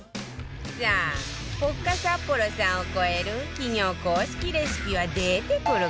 さあポッカサッポロさんを超える企業公式レシピは出てくるかしら？